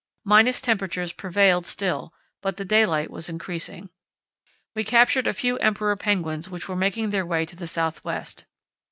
Minus temperatures prevailed still, but the daylight was increasing. We captured a few emperor penguins which were making their way to the south west.